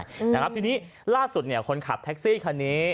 ทีนี้ล่าสุดของคนขับแทคซีคันนี้